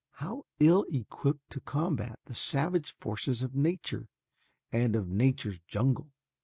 How ill equipped to combat the savage forces of nature and of nature's jungle.